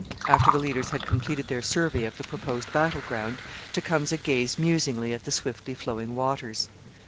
After the leaders had completed their survey of the proposed battle ground, Tecumseh gazed musingly at the swiftly flowing waters.